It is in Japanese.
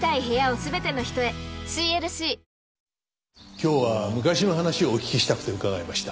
今日は昔の話をお聞きしたくて伺いました。